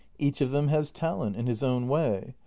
Each of them has talent in his own way.